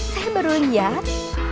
saya baru lihat